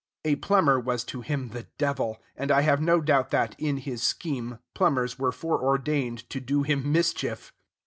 A plumber was to him the devil, and I have no doubt that, in his scheme, plumbers were foreordained to do him mischief.